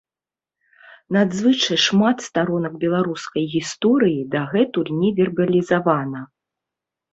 Надзвычай шмат старонак беларускай гісторыі дагэтуль не вербалізавана.